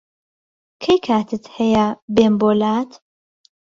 کەی کاتت هەیە بێم بۆلات؟